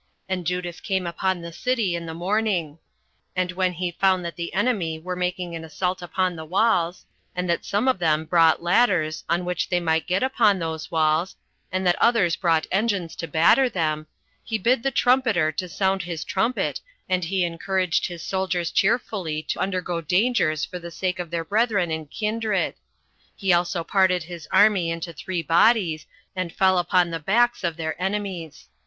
And Judas came upon the city in the morning; and when he found that the enemy were making an assault upon the walls, and that some of them brought ladders, on which they might get upon those walls, and that others brought engines [to batter them], he bid the trumpeter to sound his trumpet, and he encouraged his soldiers cheerfully to undergo dangers for the sake of their brethren and kindred; he also parted his army into three bodies, and fell upon the backs of their enemies.